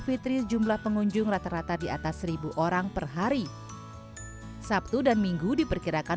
fitri jumlah pengunjung rata rata di atas seribu orang per hari sabtu dan minggu diperkirakan